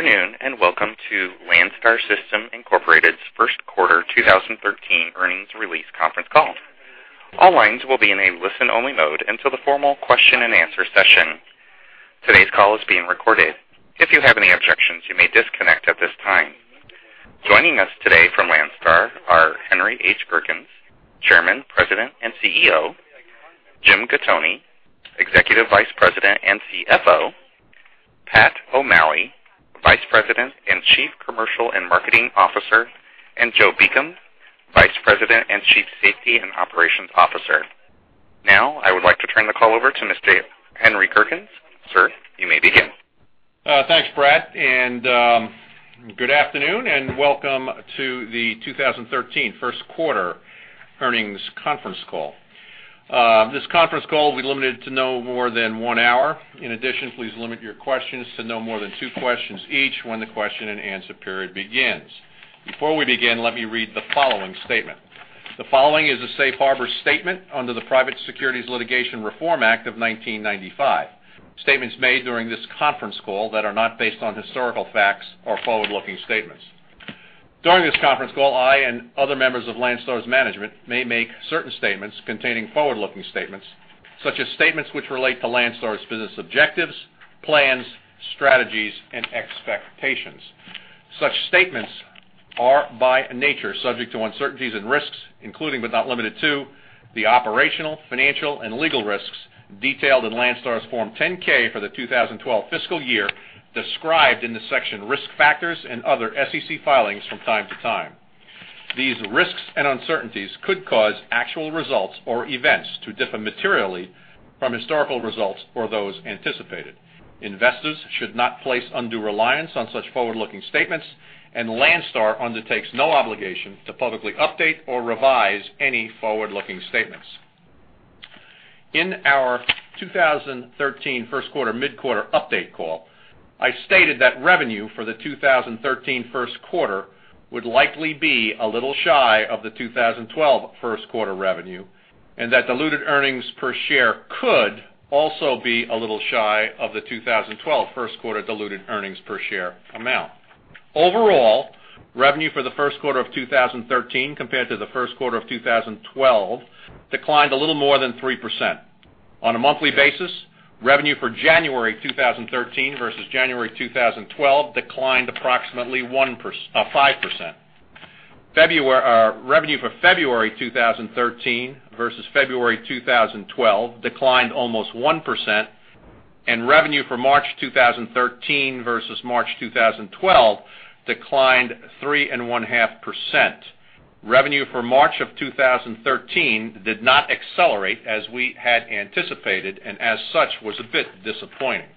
Good afternoon, and welcome to Landstar System Incorporated's First Quarter 2013 Earnings Release Conference Call. All lines will be in a listen-only mode until the formal question-and-answer session. Today's call is being recorded. If you have any objections, you may disconnect at this time. Joining us today from Landstar are Henry H. Gerkens, Chairman, President, and CEO; Jim Gattoni, Executive Vice President and CFO; Pat O'Malley, Vice President and Chief Commercial and Marketing Officer; and Joe Beacom, Vice President and Chief Safety and Operations Officer. Now, I would like to turn the call over to Mr. Henry Gerkens. Sir, you may begin. Thanks, Brad, and good afternoon, and welcome to the 2013 first quarter earnings conference call. This conference call will be limited to no more than one hour. In addition, please limit your questions to no more than two questions each when the question-and-answer period begins. Before we begin, let me read the following statement. The following is a safe harbor statement under the Private Securities Litigation Reform Act of 1995. Statements made during this conference call that are not based on historical facts are forward-looking statements. During this conference call, I and other members of Landstar's management may make certain statements containing forward-looking statements, such as statements which relate to Landstar's business objectives, plans, strategies, and expectations. Such statements are, by nature, subject to uncertainties and risks, including but not limited to the operational, financial, and legal risks detailed in Landstar's Form 10-K for the 2012 fiscal year, described in the section Risk Factors and other SEC filings from time to time. These risks and uncertainties could cause actual results or events to differ materially from historical results or those anticipated. Investors should not place undue reliance on such forward-looking statements, and Landstar undertakes no obligation to publicly update or revise any forward-looking statements. In our 2013 first quarter mid-quarter update call, I stated that revenue for the 2013 first quarter would likely be a little shy of the 2012 first quarter revenue, and that diluted earnings per share could also be a little shy of the 2012 first quarter diluted earnings per share amount. Overall, revenue for the first quarter of 2013 compared to the first quarter of 2012 declined a little more than 3%. On a monthly basis, revenue for January 2013 versus January 2012 declined approximately 5%. February revenue for February 2013 versus February 2012 declined almost 1%, and revenue for March 2013 versus March 2012 declined 3.5%. Revenue for March of 2013 did not accelerate as we had anticipated, and as such, was a bit disappointing.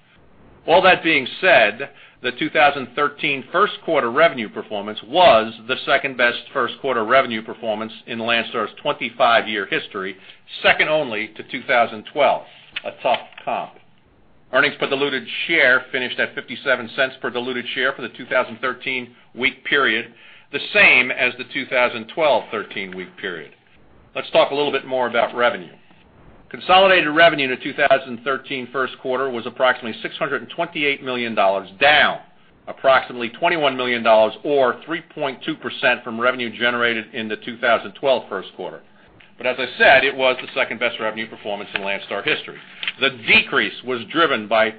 All that being said, the 2013 first quarter revenue performance was the second-best first quarter revenue performance in Landstar's 25-year history, second only to 2012, a tough comp. Earnings per diluted share finished at $0.57 per diluted share for the 2013 13-week period, the same as the 2012 13-week period. Let's talk a little bit more about revenue. Consolidated revenue in the 2013 first quarter was approximately $628 million, down approximately $21 million or 3.2% from revenue generated in the 2012 first quarter. But as I said, it was the second-best revenue performance in Landstar history. The decrease was driven by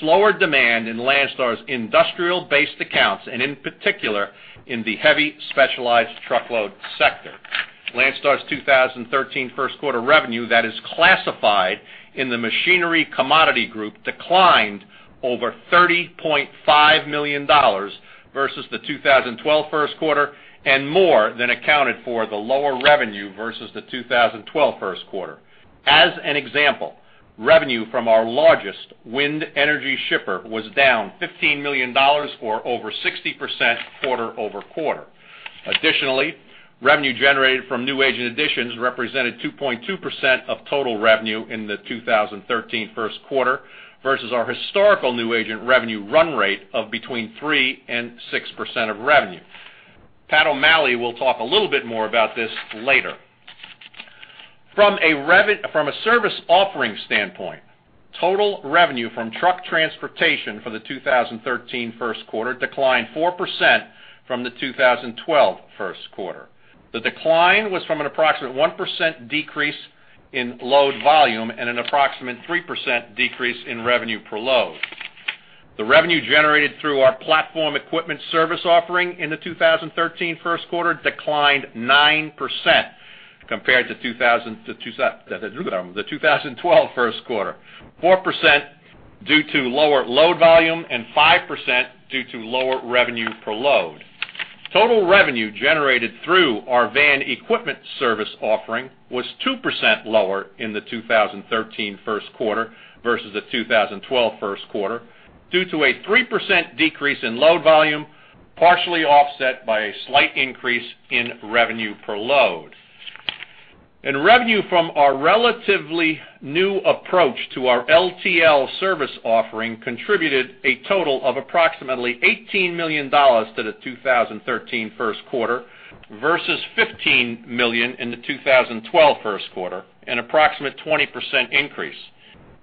slower demand in Landstar's industrial-based accounts, and in particular, in the heavy specialized truckload sector. Landstar's 2013 first quarter revenue that is classified in the machinery commodity group declined over $30.5 million versus the 2012 first quarter, and more than accounted for the lower revenue versus the 2012 first quarter. As an example, revenue from our largest wind energy shipper was down $15 million or over 60% quarter-over-quarter. Additionally, revenue generated from new agent additions represented 2.2% of total revenue in the 2013 first quarter versus our historical new agent revenue run rate of between 3% and 6% of revenue. Pat O'Malley will talk a little bit more about this later. From a service offering standpoint, total revenue from truck transportation for the 2013 first quarter declined 4% from the 2012 first quarter. The decline was from an approximate 1% decrease in load volume and an approximate 3% decrease in revenue per load. The revenue generated through our platform equipment service offering in the 2013 first quarter declined 9% compared to the 2012 first quarter, 4% due to lower load volume and 5% due to lower revenue per load. Total revenue generated through our van equipment service offering was 2% lower in the 2013 first quarter versus the 2012 first quarter, due to a 3% decrease in load volume, partially offset by a slight increase in revenue per load. And revenue from our relatively new approach to our LTL service offering contributed a total of approximately $18 million to the 2013 first quarter versus $15 million in the 2012 first quarter, an approximate 20% increase.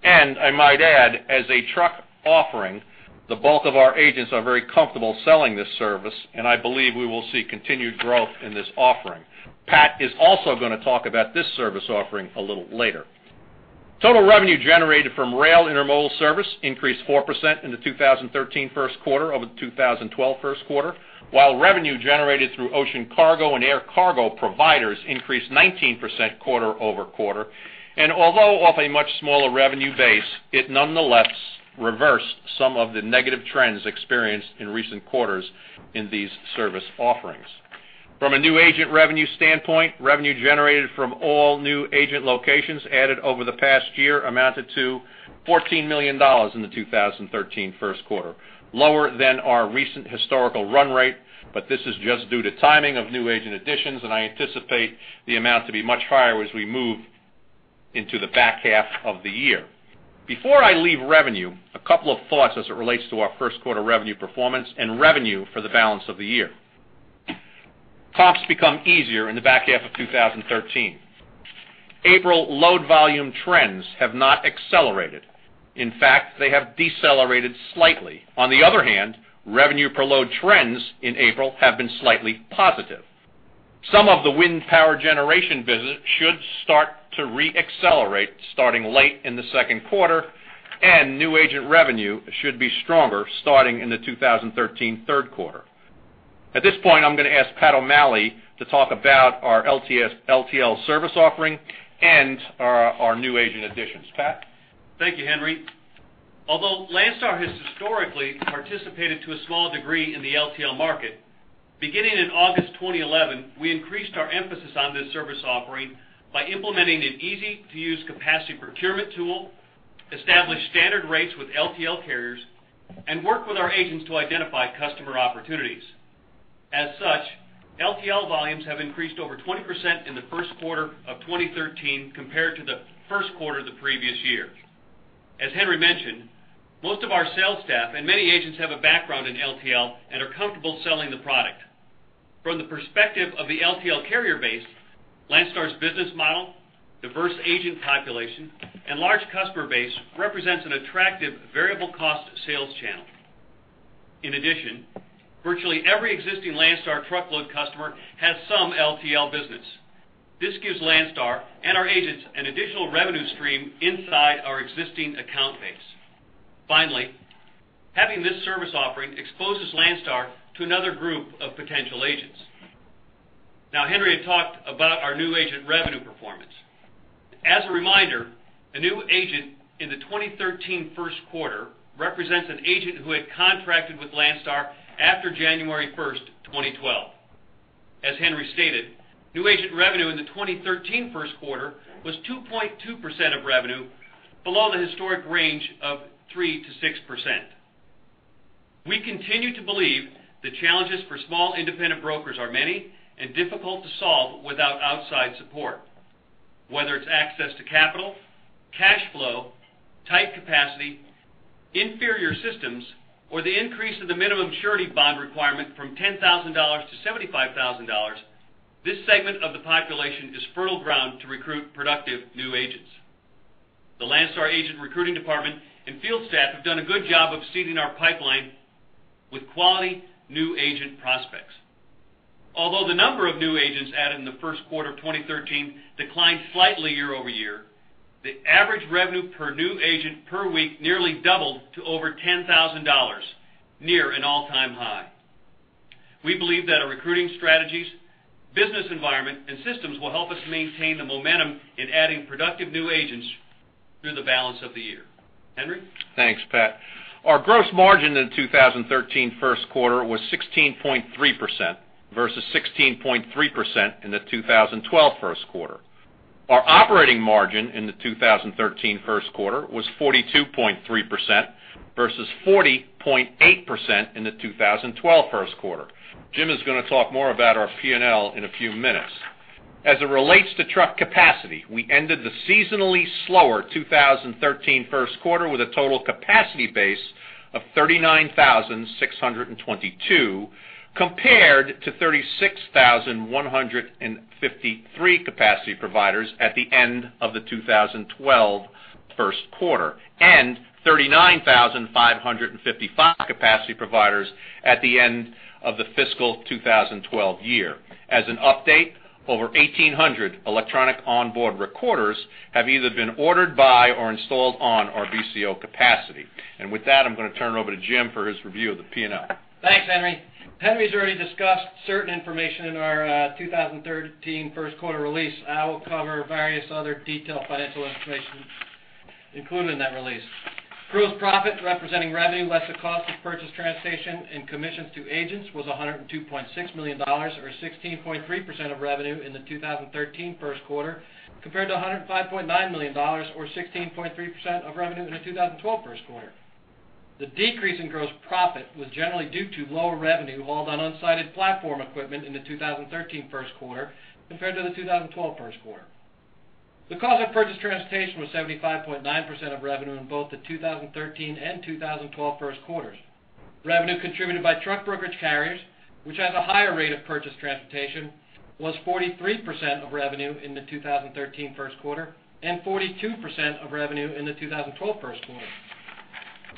And I might add, as a truck offering, the bulk of our agents are very comfortable selling this service, and I believe we will see continued growth in this offering. Pat is also going to talk about this service offering a little later. Total revenue generated from rail intermodal service increased 4% in the 2013 first quarter over the 2012 first quarter, while revenue generated through ocean cargo and air cargo providers increased 19% quarter-over-quarter, and although off a much smaller revenue base, it nonetheless reversed some of the negative trends experienced in recent quarters in these service offerings. From a new agent revenue standpoint, revenue generated from all new agent locations added over the past year amounted to $14 million in the 2013 first quarter, lower than our recent historical run rate, but this is just due to timing of new agent additions, and I anticipate the amount to be much higher as we move into the back half of the year. Before I leave revenue, a couple of thoughts as it relates to our first quarter revenue performance and revenue for the balance of the year. Comps become easier in the back half of 2013. April load volume trends have not accelerated. In fact, they have decelerated slightly. On the other hand, revenue per load trends in April have been slightly positive. Some of the wind power generation business should start to re-accelerate starting late in the second quarter, and new agent revenue should be stronger starting in the 2013 third quarter. At this point, I'm going to ask Pat O'Malley to talk about our LTL service offering and our new agent additions. Pat? Thank you, Henry. Although Landstar has historically participated to a small degree in the LTL market, beginning in August 2011, we increased our emphasis on this service offering by implementing an easy-to-use capacity procurement tool, established standard rates with LTL carriers, and worked with our agents to identify customer opportunities. As such, LTL volumes have increased over 20% in the first quarter of 2013 compared to the first quarter of the previous year. As Henry mentioned, most of our sales staff and many agents have a background in LTL and are comfortable selling the product. From the perspective of the LTL carrier base, Landstar's business model, diverse agent population, and large customer base represents an attractive variable cost sales channel. In addition, virtually every existing Landstar truckload customer has some LTL business. This gives Landstar and our agents an additional revenue stream inside our existing account base. Finally, having this service offering exposes Landstar to another group of potential agents. Now, Henry had talked about our new agent revenue performance. As a reminder, a new agent in the 2013 first quarter represents an agent who had contracted with Landstar after January 1, 2012. As Henry stated, new agent revenue in the 2013 first quarter was 2.2% of revenue, below the historic range of 3%-6%. We continue to believe the challenges for small independent brokers are many and difficult to solve without outside support, whether it's access to capital, cash flow, tight capacity, inferior systems, or the increase of the minimum surety bond requirement from $10,000 to $75,000, this segment of the population is fertile ground to recruit productive new agents. The Landstar agent recruiting department and field staff have done a good job of seeding our pipeline with quality new agent prospects. Although the number of new agents added in the first quarter of 2013 declined slightly year over year, the average revenue per new agent per week nearly doubled to over $10,000, near an all-time high. We believe that our recruiting strategies, business environment, and systems will help us maintain the momentum in adding productive new agents through the balance of the year. Henry? Thanks, Pat. Our gross margin in the 2013 first quarter was 16.3% versus 16.3% in the 2012 first quarter. Our operating margin in the 2013 first quarter was 42.3% versus 40.8% in the 2012 first quarter. Jim is going to talk more about our P&L in a few minutes. As it relates to truck capacity, we ended the seasonally slower 2013 first quarter with a total capacity base of 39,622, compared to 36,153 capacity providers at the end of the 2012 first quarter, and 39,555 capacity providers at the end of the fiscal 2012 year. As an update, over 1,800 electronic onboard recorders have either been ordered by or installed on our BCO capacity. With that, I'm going to turn it over to Jim for his review of the P&L. Thanks, Henry. Henry's already discussed certain information in our 2013 first quarter release. I will cover various other detailed financial information included in that release. Gross profit, representing revenue less the cost of purchased transportation and commissions to agents, was $102.6 million, or 16.3% of revenue in the 2013 first quarter, compared to $105.9 million, or 16.3% of revenue in the 2012 first quarter. The decrease in gross profit was generally due to lower revenue hauled on unsided platform equipment in the 2013 first quarter compared to the 2012 first quarter.... The cost of purchased transportation was 75.9% of revenue in both the 2013 and 2012 first quarters. Revenue contributed by truck brokerage carriers, which have a higher rate of purchased transportation, was 43% of revenue in the 2013 first quarter and 42% of revenue in the 2012 first quarter.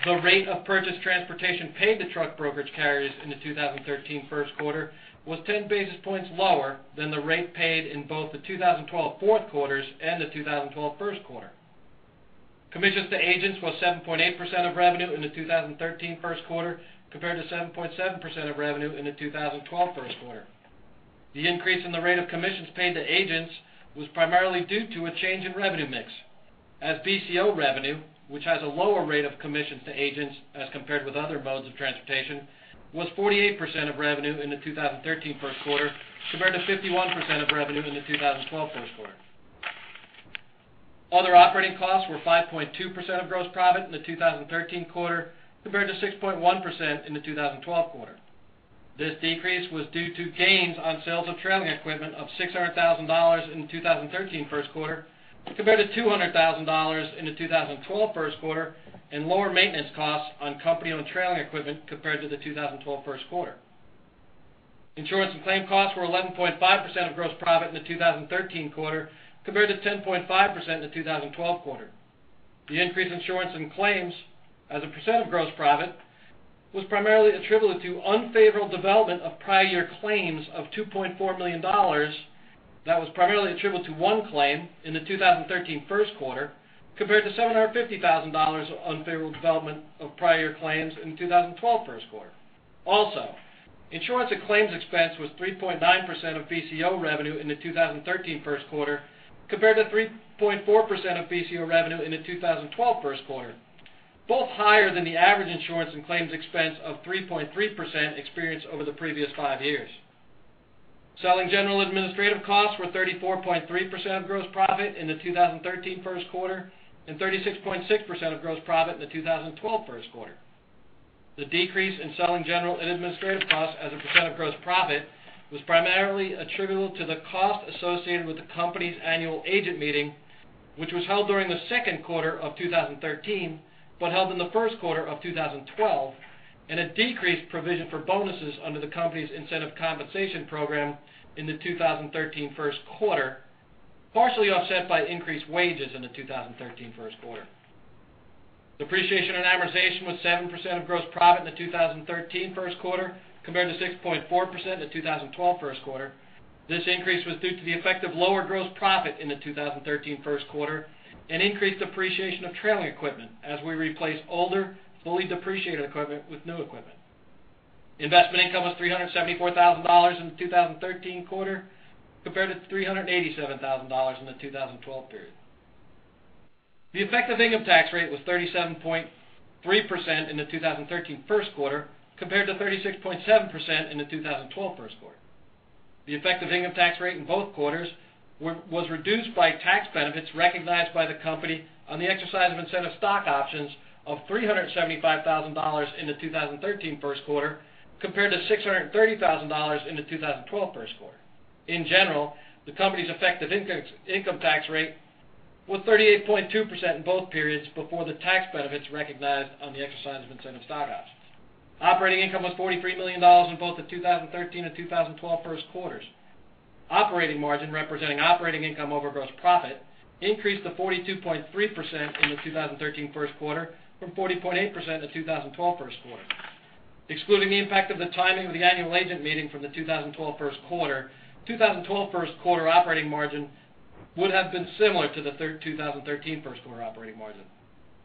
The rate of purchased transportation paid to truck brokerage carriers in the 2013 first quarter was 10 basis points lower than the rate paid in both the 2012 fourth quarters and the 2012 first quarter. Commissions to agents was 7.8% of revenue in the 2013 first quarter, compared to 7.7% of revenue in the 2012 first quarter. The increase in the rate of commissions paid to agents was primarily due to a change in revenue mix, as BCO revenue, which has a lower rate of commissions to agents as compared with other modes of transportation, was 48% of revenue in the 2013 first quarter, compared to 51% of revenue in the 2012 first quarter. Other operating costs were 5.2% of gross profit in the 2013 quarter, compared to 6.1% in the 2012 quarter. This decrease was due to gains on sales of trailing equipment of $600,000 in the 2013 first quarter, compared to $200,000 in the 2012 first quarter, and lower maintenance costs on company-owned trailing equipment compared to the 2012 first quarter. Insurance and claim costs were 11.5% of gross profit in the 2013 quarter, compared to 10.5% in the 2012 quarter. The increased insurance and claims as a percent of gross profit was primarily attributable to unfavorable development of prior year claims of $2.4 million. That was primarily attributable to 1 claim in the 2013 first quarter, compared to $750,000 of unfavorable development of prior claims in 2012 first quarter. Also, insurance and claims expense was 3.9% of BCO revenue in the 2013 first quarter, compared to 3.4% of BCO revenue in the 2012 first quarter, both higher than the average insurance and claims expense of 3.3% experienced over the previous 5 years. Selling, general, and administrative costs were 34.3% of gross profit in the 2013 first quarter and 36.6% of gross profit in the 2012 first quarter. The decrease in selling general and administrative costs as a percent of gross profit was primarily attributable to the cost associated with the company's annual agent meeting, which was held during the second quarter of 2013, but held in the first quarter of 2012, and a decreased provision for bonuses under the company's incentive compensation program in the 2013 first quarter, partially offset by increased wages in the 2013 first quarter. Depreciation and amortization was 7% of gross profit in the 2013 first quarter, compared to 6.4% in the 2012 first quarter. This increase was due to the effect of lower gross profit in the 2013 first quarter and increased depreciation of trailer equipment as we replaced older, fully depreciated equipment with new equipment. Investment income was $374,000 in the 2013 quarter, compared to $387,000 in the 2012 period. The effective income tax rate was 37.3% in the 2013 first quarter, compared to 36.7% in the 2012 first quarter. The effective income tax rate in both quarters was reduced by tax benefits recognized by the company on the exercise of incentive stock options of $375,000 in the 2013 first quarter, compared to $630,000 in the 2012 first quarter. In general, the company's effective income tax rate was 38.2% in both periods before the tax benefits recognized on the exercise of incentive stock options. Operating income was $43 million in both the 2013 and 2012 first quarters. Operating margin, representing operating income over gross profit, increased to 42.3% in the 2013 first quarter from 40.8% in the 2012 first quarter. Excluding the impact of the timing of the annual agent meeting from the 2012 first quarter, 2012 first quarter operating margin would have been similar to the 2013 first quarter operating margin.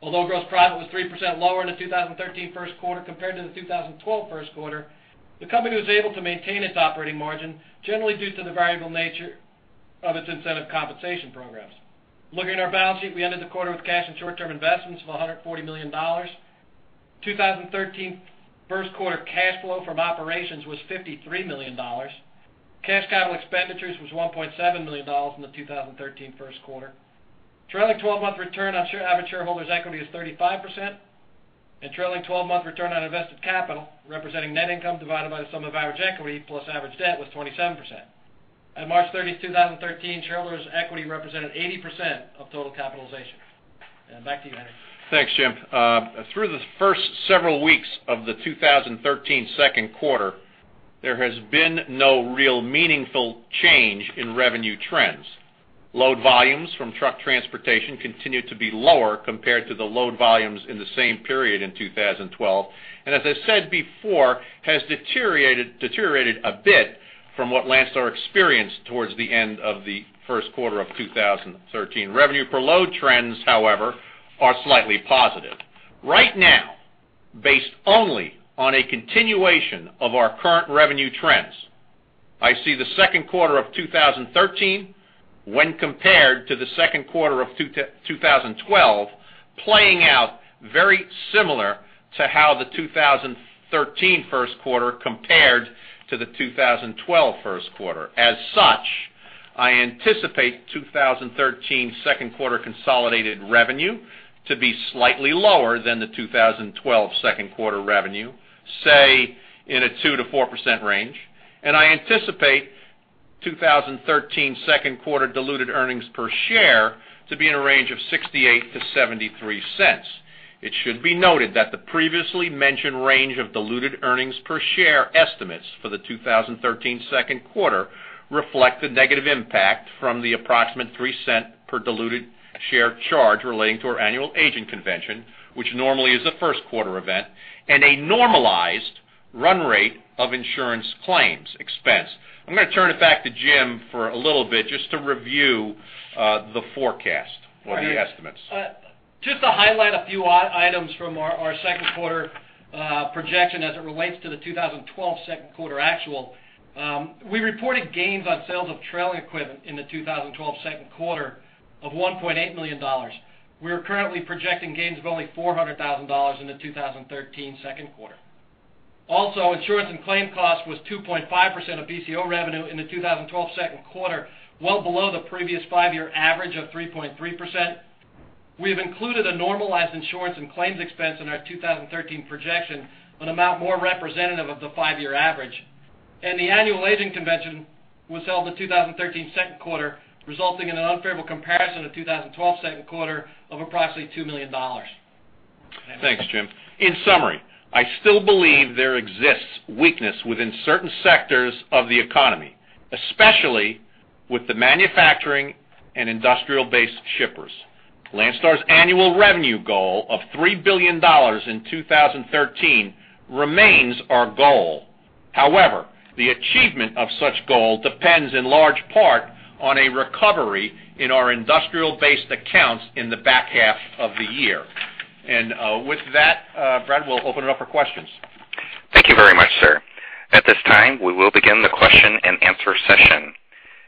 Although gross profit was 3% lower in the 2013 first quarter compared to the 2012 first quarter, the company was able to maintain its operating margin, generally due to the variable nature of its incentive compensation programs. Looking at our balance sheet, we ended the quarter with cash and short-term investments of $140 million. 2013 first quarter cash flow from operations was $53 million. Cash capital expenditures were $1.7 million in the 2013 first quarter. Trailing twelve-month return on average shareholders' equity is 35%, and trailing twelve-month return on invested capital, representing net income divided by the sum of average equity plus average debt, was 27%. At March 30, 2013, shareholders' equity represented 80% of total capitalization. Back to you, Henry. Thanks, Jim. Through the first several weeks of the 2013 second quarter, there has been no real meaningful change in revenue trends. Load volumes from truck transportation continue to be lower compared to the load volumes in the same period in 2012, and as I said before, has deteriorated, deteriorated a bit from what Landstar experienced towards the end of the first quarter of 2013. Revenue per load trends, however, are slightly positive. Right now, based only on a continuation of our current revenue trends, I see the second quarter of 2013, when compared to the second quarter of 2012, playing out very similar to how the 2013 first quarter compared to the 2012 first quarter. As such, I anticipate 2013 second quarter consolidated revenue to be slightly lower than the 2012 second quarter revenue, say, in a 2%-4% range. And I anticipate 2013 second quarter diluted earnings per share to be in a range of $0.68-$0.73. It should be noted that the previously mentioned range of diluted earnings per share estimates for the 2013 second quarter reflect the negative impact from the approximate $0.03 per diluted share charge relating to our annual agent convention, which normally is a first quarter event, and a normalized run rate of insurance claims expense. I'm going to turn it back to Jim for a little bit just to review the forecast or the estimates. Just to highlight a few items from our second quarter projection as it relates to the 2012 second quarter actual. We reported gains on sales of trailer equipment in the 2012 second quarter of $1.8 million. We are currently projecting gains of only $400,000 in the 2013 second quarter. Also, insurance and claims cost was 2.5% of BCO revenue in the 2012 second quarter, well below the previous five-year average of 3.3%. We have included a normalized insurance and claims expense in our 2013 projection, an amount more representative of the five-year average, and the annual agents convention was held in the 2013 second quarter, resulting in an unfavorable comparison to 2012 second quarter of approximately $2 million. Thanks, Jim. In summary, I still believe there exists weakness within certain sectors of the economy, especially with the manufacturing and industrial-based shippers. Landstar's annual revenue goal of $3 billion in 2013 remains our goal. However, the achievement of such goal depends in large part on a recovery in our industrial-based accounts in the back half of the year. And, with that, Brad, we'll open it up for questions. Thank you very much, sir. At this time, we will begin the question-and-answer session.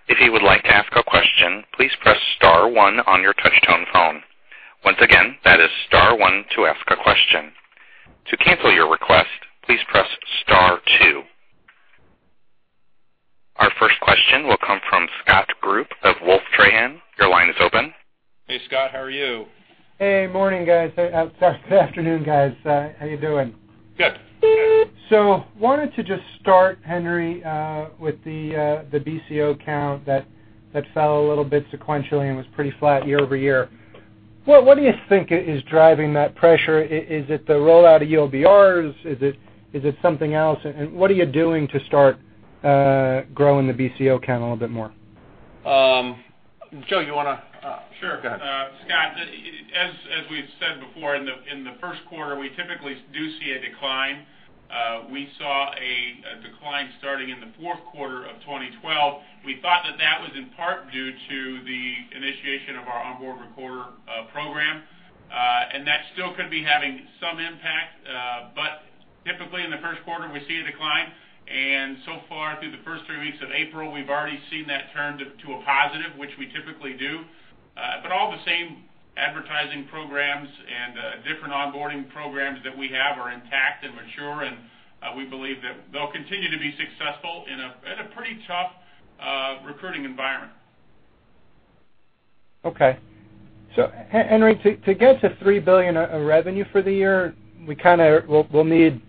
If you would like to ask a question, please press star one on your touch-tone phone. Once again, that is star one to ask a question. To cancel your request, please press star two. Our first question will come from Scott Group of Wolfe. Your line is open. Hey, Scott, how are you? Hey, morning, guys. Sorry, afternoon, guys. How are you doing? Good. Wanted to just start, Henry, with the BCO count that fell a little bit sequentially and was pretty flat year-over-year. What do you think is driving that pressure? Is it the rollout of EOBRs? Is it something else? And what are you doing to start growing the BCO count a little bit more? Joe, you want to- Sure. Go ahead. Scott, as we've said before, in the first quarter, we typically do see a decline. We saw a decline starting in the fourth quarter of 2012. We thought that that was in part due to the initiation of our onboard recorder program, and that still could be having some impact. But typically in the first quarter, we see a decline, and so far, through the first three weeks of April, we've already seen that turn to a positive, which we typically do. But all the same advertising programs and different onboarding programs that we have are intact and mature, and we believe that they'll continue to be successful in a pretty tough recruiting environment. Okay. So, Henry, to get to $3 billion of revenue for the year, we kind of -- we'll need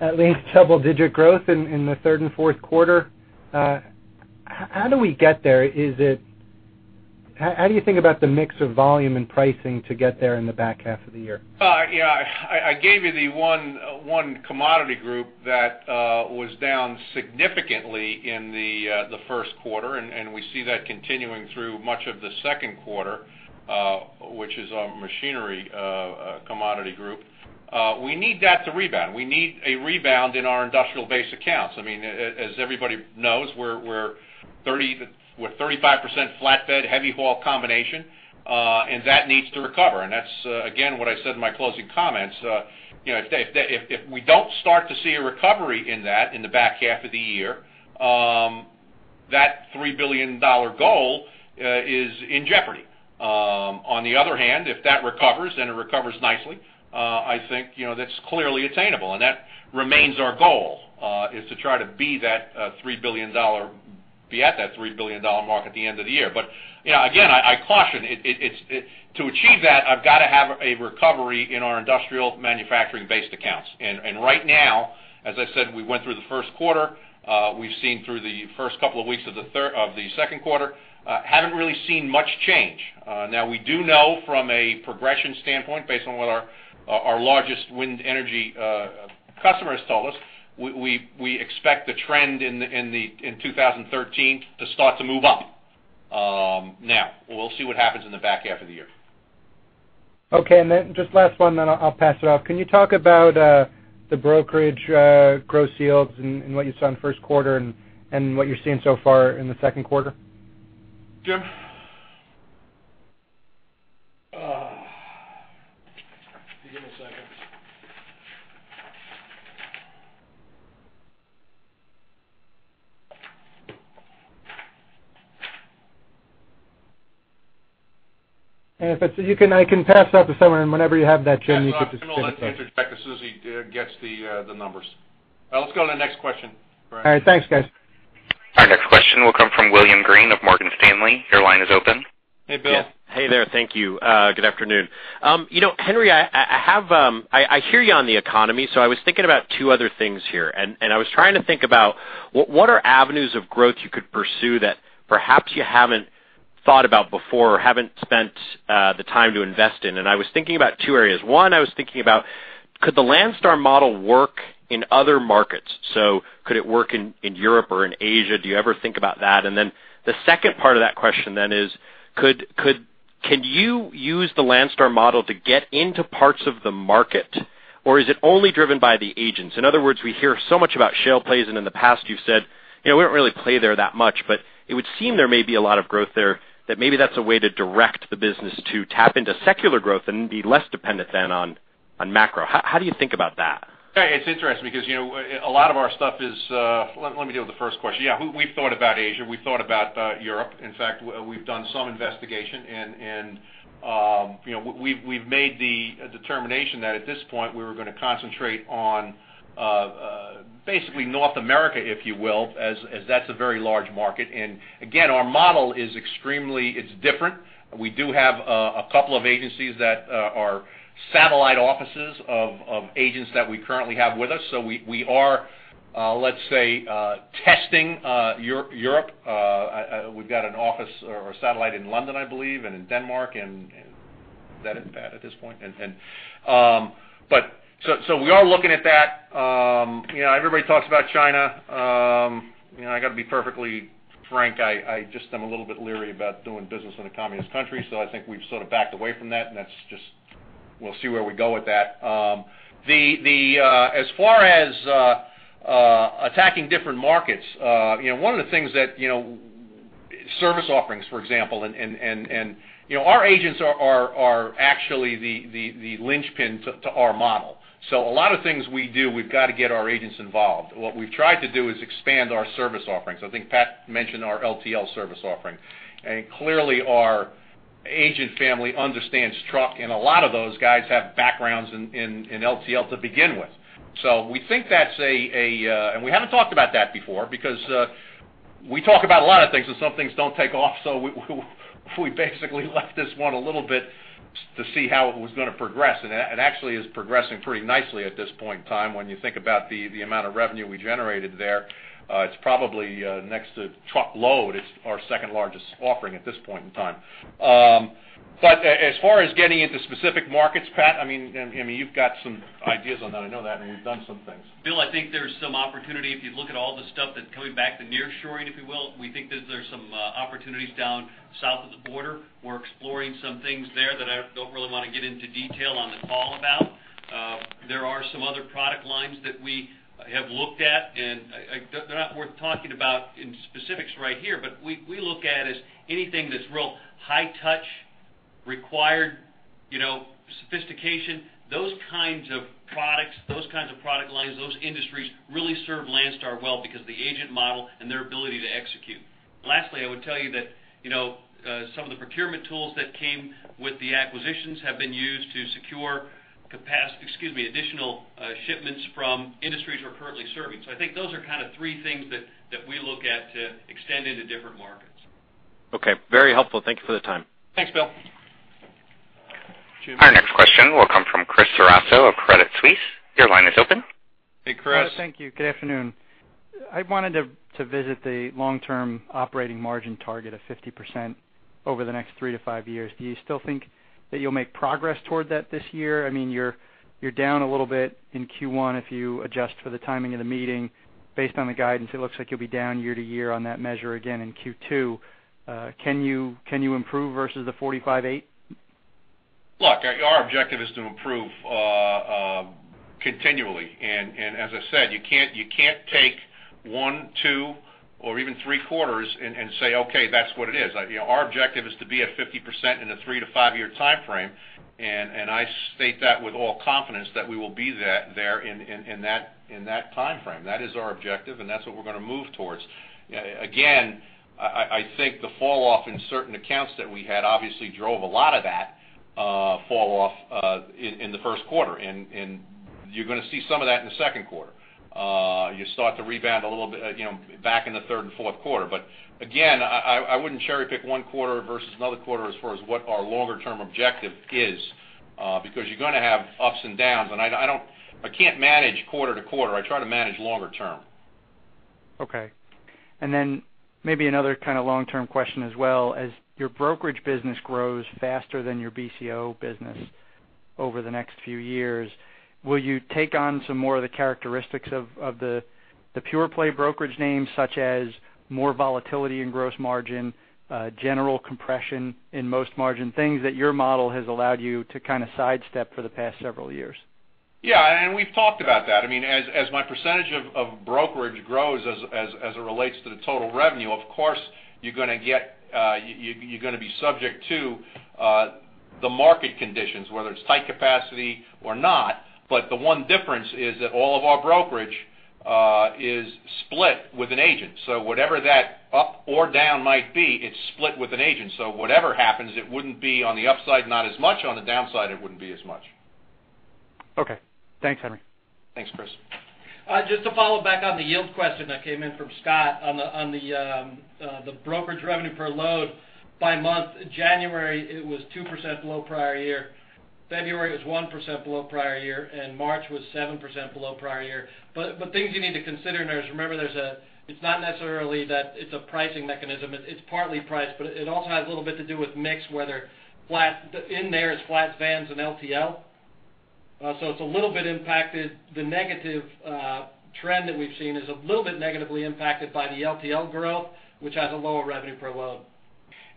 at least double-digit growth in the third and fourth quarter. How do we get there? How do you think about the mix of volume and pricing to get there in the back half of the year? Yeah, I gave you the one commodity group that was down significantly in the first quarter, and we see that continuing through much of the second quarter, which is our machinery commodity group. We need that to rebound. We need a rebound in our industrial base accounts. I mean, as everybody knows, we're 35% flatbed, heavy haul combination, and that needs to recover. And that's again, what I said in my closing comments. You know, if we don't start to see a recovery in that in the back half of the year, that $3 billion goal is in jeopardy. On the other hand, if that recovers and it recovers nicely, I think, you know, that's clearly attainable, and that remains our goal, is to try to be that $3 billion - be at that $3 billion mark at the end of the year. But, you know, again, I caution it. It's to achieve that, I've got to have a recovery in our industrial manufacturing-based accounts. And right now, as I said, we went through the first quarter, we've seen through the first couple of weeks of the second quarter, haven't really seen much change. Now, we do know from a progression standpoint, based on what our largest wind energy customer has told us, we expect the trend in the 2013 to start to move up. Now, we'll see what happens in the back half of the year. Okay, and then just last one, then I'll, I'll pass it off. Can you talk about, the brokerage, gross yields and, and what you saw in the first quarter and, and what you're seeing so far in the second quarter? Jim? Give me a second. If it's... I can pass off to someone. Whenever you have that, Jim, you can just- Yes, Jim will interject as soon as he gets the numbers. Let's go to the next question, Brad. All right, thanks, guys. Our next question will come from Bill Greene of Morgan Stanley. Your line is open. Hey, Bill. Hey there. Thank you. Good afternoon. You know, Henry, I hear you on the economy, so I was thinking about two other things here. I was trying to think about what are avenues of growth you could pursue that perhaps you haven't thought about before or haven't spent the time to invest in? I was thinking about two areas. One, I was thinking about, could the Landstar model work in other markets? So could it work in Europe or in Asia? Do you ever think about that? Then the second part of that question is, can you use the Landstar model to get into parts of the market, or is it only driven by the agents? In other words, we hear so much about shale plays, and in the past, you've said, "You know, we don't really play there that much," but it would seem there may be a lot of growth there, that maybe that's a way to direct the business to tap into secular growth and be less dependent then on, on macro. How, how do you think about that? Yeah, it's interesting because, you know, a lot of our stuff is... Let me deal with the first question. Yeah, we've thought about Asia, we've thought about Europe. In fact, we've done some investigation, and you know, we've made the determination that at this point, we were gonna concentrate on basically North America, if you will, as that's a very large market. And again, our model is extremely different. We do have a couple of agencies that are satellite offices of agents that we currently have with us. So we are, let's say, testing Europe. We've got an office or a satellite in London, I believe, and in Denmark, and that at this point. But so we are looking at that. You know, everybody talks about China. You know, I got to be perfectly frank, I just am a little bit leery about doing business in a communist country, so I think we've sort of backed away from that, and that's just... We'll see where we go with that. As far as attacking different markets, you know, one of the things that, you know, service offerings, for example, and our agents are actually the linchpin to our model. So a lot of things we do, we've got to get our agents involved. What we've tried to do is expand our service offerings. I think Pat mentioned our LTL service offering, and clearly, our agent family understands truck, and a lot of those guys have backgrounds in LTL to begin with. So we think that's, and we haven't talked about that before because we talk about a lot of things, and some things don't take off, so we basically left this one a little bit to see how it was going to progress, and it actually is progressing pretty nicely at this point in time. When you think about the amount of revenue we generated there, it's probably next to truckload, it's our second-largest offering at this point in time. But as far as getting into specific markets, Pat, I mean, and I mean, you've got some ideas on that. I know that, and we've done some things. Bill, I think there's some opportunity. If you look at all the stuff that's coming back to nearshoring, if you will, we think that there's some opportunities down south of the border. We're exploring some things there that I don't really want to get into detail on the call about. There are some other product lines that we have looked at, and they're not worth talking about in specifics right here, but we look at as anything that's real high touch, required, you know, sophistication. Those kinds of products, those kinds of product lines, those industries really serve Landstar well because of the agent model and their ability to execute. Lastly, I would tell you that you know some of the procurement tools that came with the acquisitions have been used to secure additional shipments from industries we're currently serving. I think those are kind of three things that we look at to extend into different markets. Okay. Very helpful. Thank you for the time. Thanks, Bill. Our next question will come from Chris Ceraso of Credit Suisse. Your line is open. Hey, Chris. Thank you. Good afternoon. I wanted to revisit the long-term operating margin target of 50% over the next 3-5 years. Do you still think that you'll make progress toward that this year? I mean, you're down a little bit in Q1 if you adjust for the timing of the meeting. Based on the guidance, it looks like you'll be down year-over-year on that measure again in Q2. Can you improve versus the 45.8%? Look, our objective is to improve continually. As I said, you can't, you can't take one, two, or even three quarters and say, "Okay, that's what it is." You know, our objective is to be at 50% in a three- to five-year timeframe, and I state that with all confidence that we will be there in that timeframe. That is our objective, and that's what we're going to move towards. Again, I think the falloff in certain accounts that we had obviously drove a lot of that falloff in the first quarter, and you're going to see some of that in the second quarter. You start to rebound a little bit, you know, back in the third and fourth quarter. But again, I wouldn't cherry-pick one quarter versus another quarter as far as what our longer-term objective is, because you're going to have ups and downs, and I don't, I can't manage quarter to quarter. I try to manage longer term. Okay. Then maybe another kind of long-term question as well: As your brokerage business grows faster than your BCO business over the next few years, will you take on some more of the characteristics of the pure play brokerage names, such as more volatility in gross margin, general compression in gross margin, things that your model has allowed you to kind of sidestep for the past several years? Yeah, and we've talked about that. I mean, as my percentage of brokerage grows as it relates to the total revenue, of course, you're going to get, you're going to be subject to the market conditions, whether it's tight capacity or not. But the one difference is that all of our brokerage is split with an agent, so whatever that up or down might be, it's split with an agent. So whatever happens, it wouldn't be on the upside, not as much on the downside, it wouldn't be as much.... Okay. Thanks, Henry. Thanks, Chris. Just to follow back on the yield question that came in from Scott, on the brokerage revenue per load by month, January, it was 2% below prior year, February was 1% below prior year, and March was 7% below prior year. But things you need to consider, and remember, there's – it's not necessarily that it's a pricing mechanism. It's partly price, but it also has a little bit to do with mix, whether flat, vans, and LTL. So it's a little bit impacted. The negative trend that we've seen is a little bit negatively impacted by the LTL growth, which has a lower revenue per load.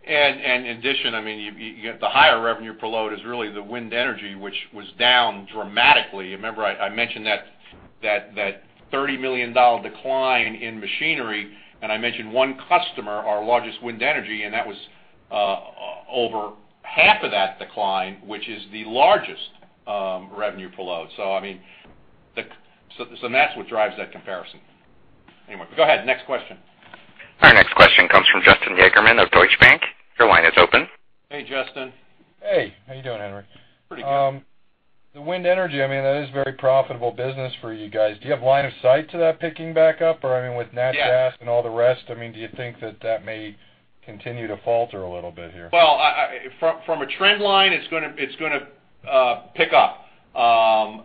And in addition, I mean, you have the higher revenue per load is really the wind energy, which was down dramatically. Remember, I mentioned that $30 million decline in machinery, and I mentioned one customer, our largest wind energy, and that was over half of that decline, which is the largest revenue per load. So I mean, that's what drives that comparison. Anyway, go ahead. Next question. Our next question comes from Justin Yagerman of Deutsche Bank. Your line is open. Hey, Justin. Hey, how you doing, Henry? Pretty good. The wind energy, I mean, that is a very profitable business for you guys. Do you have line of sight to that picking back up? Or, I mean, with nat gas and all the rest, I mean, do you think that that may continue to falter a little bit here? Well, from a trend line, it's gonna pick up. You know,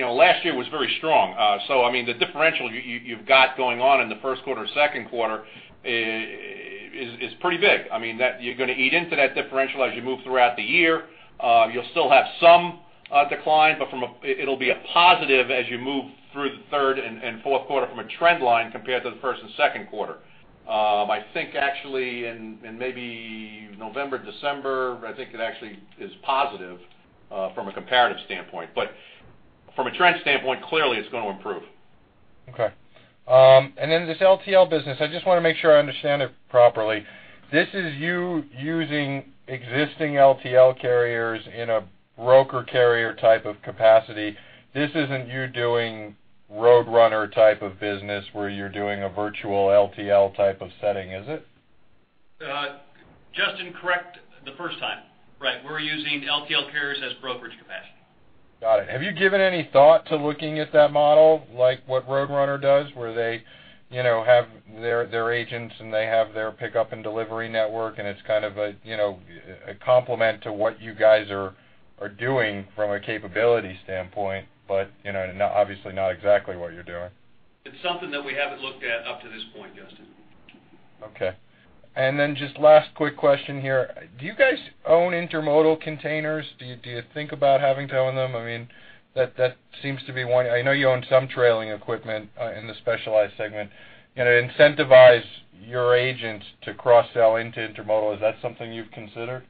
last year was very strong. So I mean, the differential you've got going on in the first quarter, second quarter, is pretty big. I mean, that you're gonna eat into that differential as you move throughout the year. You'll still have some decline, but it'll be a positive as you move through the third and fourth quarter from a trend line compared to the first and second quarter. I think actually in maybe November, December, I think it actually is positive from a comparative standpoint. But from a trend standpoint, clearly it's going to improve. Okay. And then this LTL business, I just want to make sure I understand it properly. This is you using existing LTL carriers in a broker carrier type of capacity. This isn't you doing Roadrunner type of business, where you're doing a virtual LTL type of setting, is it? Justin, correct the first time. Right, we're using LTL carriers as brokerage capacity. Got it. Have you given any thought to looking at that model, like what Roadrunner does, where they, you know, have their agents, and they have their pickup and delivery network, and it's kind of a, you know, a complement to what you guys are doing from a capability standpoint, but, you know, not obviously, not exactly what you're doing? It's something that we haven't looked at up to this point, Justin. Okay. And then just last quick question here: Do you guys own intermodal containers? Do you, do you think about having to own them? I mean, that, that seems to be one... I know you own some trailing equipment in the specialized segment. Can it incentivize your agents to cross-sell into intermodal? Is that something you've considered?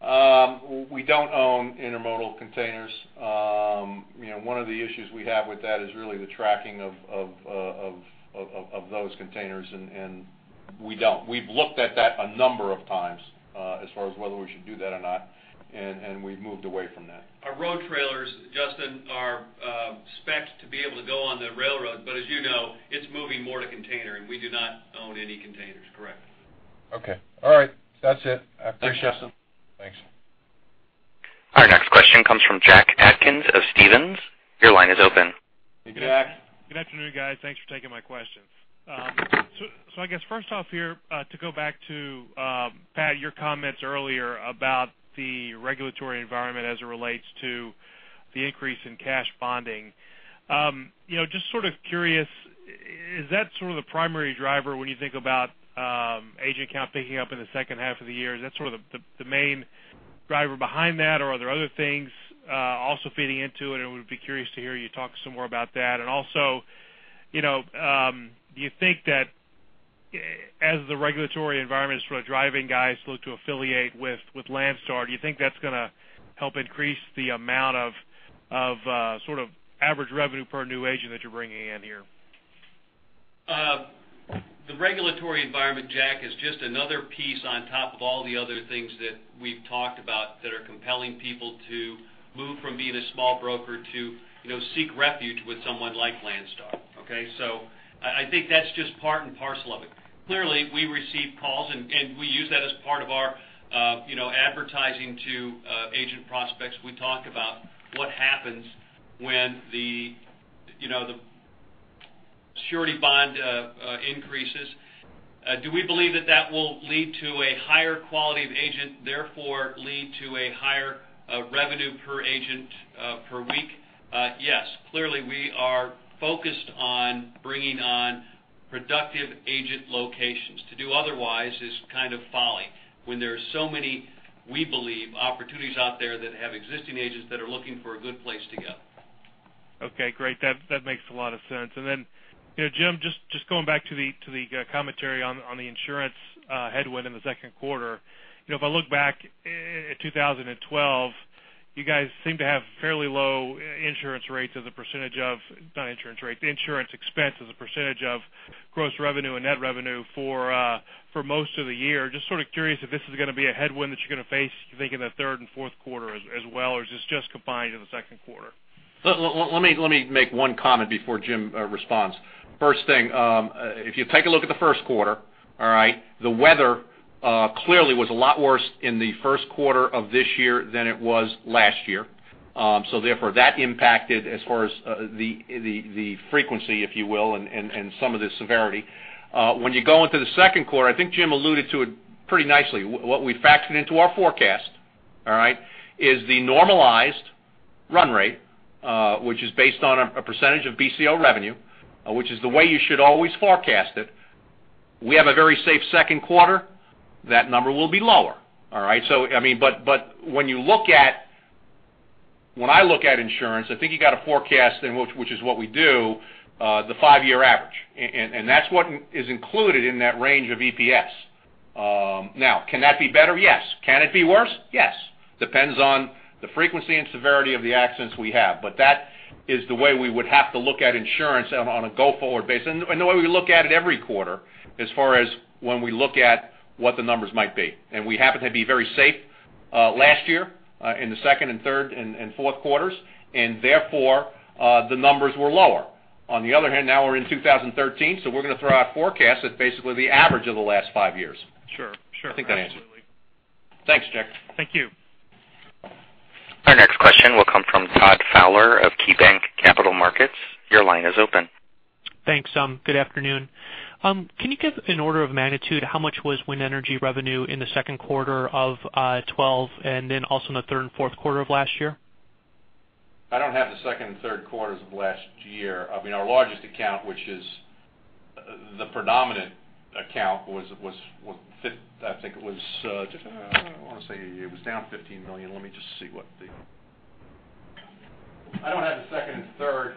We don't own intermodal containers. You know, one of the issues we have with that is really the tracking of those containers, and we don't. We've looked at that a number of times, as far as whether we should do that or not, and we've moved away from that. Our road trailers, Justin, are spec'd to be able to go on the railroad, but as you know, it's moving more to container, and we do not own any containers. Correct. Okay. All right, that's it. Thanks, Justin. Thanks. Our next question comes from Jack Atkins of Stephens. Your line is open. Hey, Jack. Good afternoon, guys. Thanks for taking my questions. So, so I guess first off here, to go back to, Pat, your comments earlier about the regulatory environment as it relates to the increase in cash bonding. You know, just sort of curious, is that sort of the primary driver when you think about, agent count picking up in the second half of the year? Is that sort of the, the main driver behind that, or are there other things, also feeding into it? And I would be curious to hear you talk some more about that. Also, you know, do you think that, as the regulatory environment is sort of driving guys look to affiliate with Landstar, do you think that's gonna help increase the amount of sort of average revenue per new agent that you're bringing in here? The regulatory environment, Jack, is just another piece on top of all the other things that we've talked about that are compelling people to move from being a small broker to, you know, seek refuge with someone like Landstar, okay? So I, I think that's just part and parcel of it. Clearly, we receive calls, and we use that as part of our, you know, advertising to agent prospects. We talk about what happens when the, you know, the surety bond increases. Do we believe that that will lead to a higher quality of agent, therefore lead to a higher revenue per agent per week? Yes. Clearly, we are focused on bringing on productive agent locations. To do otherwise is kind of folly when there are so many, we believe, opportunities out there that have existing agents that are looking for a good place to go. Okay, great. That makes a lot of sense. And then, you know, Jim, just going back to the commentary on the insurance headwind in the second quarter. You know, if I look back in 2012, you guys seem to have fairly low insurance rates as a percentage of, not insurance rates, insurance expense as a percentage of gross revenue and net revenue for most of the year. Just sort of curious if this is gonna be a headwind that you're gonna face, you think, in the third and fourth quarter as well, or is this just confined to the second quarter? Let me make one comment before Jim responds. First thing, if you take a look at the first quarter, all right, the weather clearly was a lot worse in the first quarter of this year than it was last year. So therefore, that impacted as far as the frequency, if you will, and some of the severity. When you go into the second quarter, I think Jim alluded to it pretty nicely. What we factored into our forecast, all right, is the normalized run rate, which is based on a percentage of BCO revenue, which is the way you should always forecast it. We have a very safe second quarter. That number will be lower, all right? So I mean, but when you look at—when I look at insurance, I think you got to forecast, and which is what we do, the five-year average. And that's what is included in that range of EPS. Now, can that be better? Yes. Can it be worse? Yes. Depends on the frequency and severity of the accidents we have, but that is the way we would have to look at insurance on a go-forward basis, and the way we look at it every quarter, as far as when we look at what the numbers might be. And we happen to be very safe last year in the second and third and fourth quarters, and therefore the numbers were lower. On the other hand, now we're in 2013, so we're going to throw our forecast at basically the average of the last five years. Sure. Absolutely. Thanks, Jack. Thank you. Our next question will come from Todd Fowler of KeyBanc Capital Markets. Your line is open. Thanks, good afternoon. Can you give an order of magnitude, how much was wind energy revenue in the second quarter of 2012, and then also in the third and fourth quarter of last year? I don't have the second and third quarters of last year. I mean, our largest account, which is the predominant account, was fifteen—I think it was, I want to say it was down $15 million. Let me just see what the... I don't have the second and third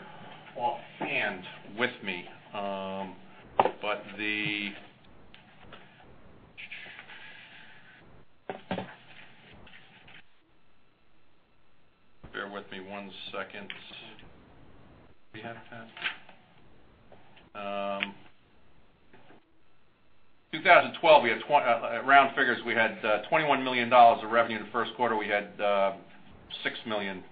offhand with me, but the... Bear with me one second. 2012, round figures, we had $21 million of revenue. In the first quarter, we had $6 million,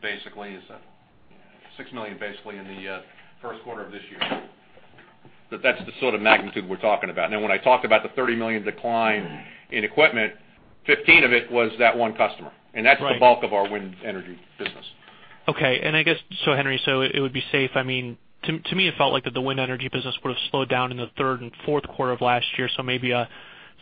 basically. It's $6 million, basically, in the first quarter of this year. But that's the sort of magnitude we're talking about. Now, when I talked about the $30 million decline in equipment, 15 of it was that one customer, and that's the bulk of our Wind Energy business. Okay. And I guess, so Henry, so it would be safe... I mean, to, to me, it felt like that the wind energy business would have slowed down in the third and fourth quarter of last year, so maybe a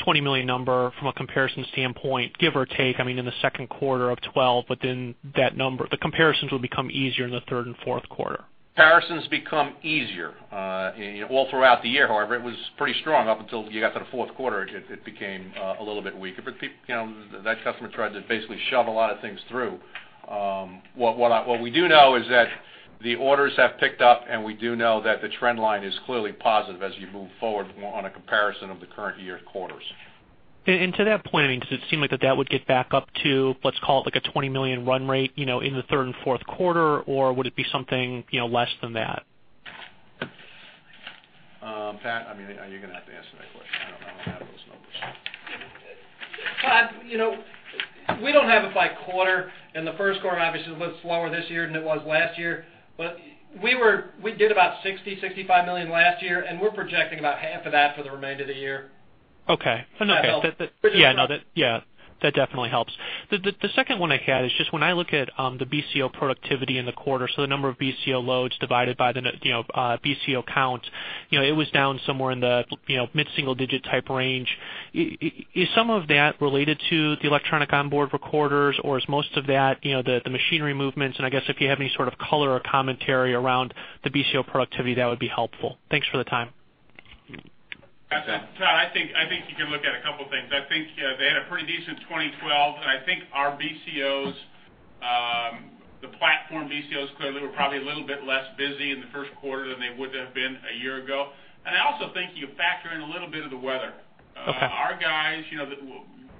$20 million number from a comparison standpoint, give or take, I mean, in the second quarter of 2012, but then that number, the comparisons will become easier in the third and fourth quarter. Comparisons become easier all throughout the year. However, it was pretty strong up until you got to the fourth quarter; it became a little bit weaker. But you know, that customer tried to basically shove a lot of things through. What we do know is that the orders have picked up, and we do know that the trend line is clearly positive as you move forward on a comparison of the current year quarters. And to that point, I mean, does it seem like that would get back up to, let's call it, like a $20 million run rate, you know, in the third and fourth quarter, or would it be something, you know, less than that? Pat, I mean, you're going to have to answer that question. I don't know. I don't have those numbers. Todd, you know, we don't have it by quarter, and the first quarter, obviously, it was slower this year than it was last year. But we did about $60-$65 million last year, and we're projecting about half of that for the remainder of the year. Okay. If that helps. Yeah, no. Yeah, that definitely helps. The second one I had is just when I look at the BCO productivity in the quarter, so the number of BCO loads divided by the, you know, BCO count, you know, it was down somewhere in the, you know, mid-single digit type range. Is some of that related to the electronic onboard recorders, or is most of that, you know, the machinery movements? And I guess if you have any sort of color or commentary around the BCO productivity, that would be helpful. Thanks for the time. Todd, I think, I think you can look at a couple of things. I think, they had a pretty decent 2012, and I think our BCOs, the platform BCOs clearly were probably a little bit less busy in the first quarter than they would have been a year ago. I also think you factor in a little bit of the weather. Okay. Our guys, you know,